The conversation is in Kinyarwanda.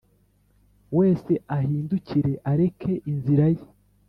Wese ahindukire areke inzira ye